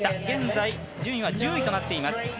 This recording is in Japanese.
現在１０位となっています。